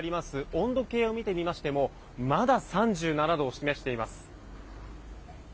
温度計を見てみましてもまだ３７度を示しています。